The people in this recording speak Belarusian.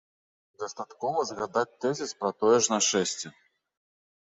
Дастаткова згадаць тэзіс пра тое ж нашэсце.